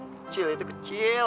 kecil itu kecil